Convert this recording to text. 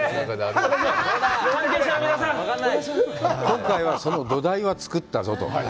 今回は、その土台は作ったぞと。